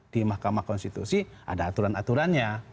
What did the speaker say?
di mahkamah konstitusi ada aturan aturannya